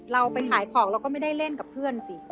เราไปขายของเราก็ไม่ได้เล่นกับเพื่อนสิ